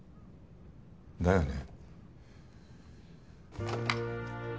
だよね。